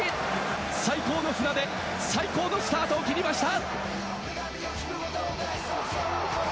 最高の船出、最高のスタートを切りました。